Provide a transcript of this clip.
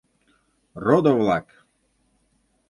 Родо-влак!